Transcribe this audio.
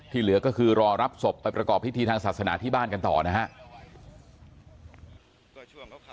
เหลือก็คือรอรับศพไปประกอบพิธีทางศาสนาที่บ้านกันต่อนะครับ